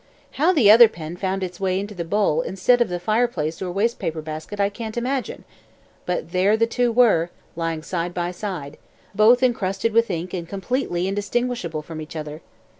How the other pen found its way into the bowl instead of the fireplace or wastepaper basket I cant imagine, but there the two were, lying side by side, both encrusted with ink and completely undistinguishable from each other.